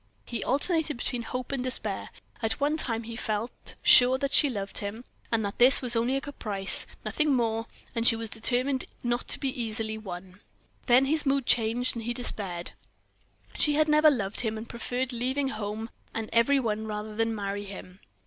He alternated between hope and despair. At one time he felt quite sure that she loved him, and that this was only a caprice, nothing more; she was determined not to be easily won. Then his mood changed, and he despaired. She had never loved him, and preferred leaving home and every one rather than marry him.